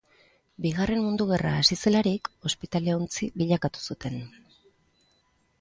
Bigarren Mundu Gerra hasi zelarik, ospitale-ontzi bilakatu zuten.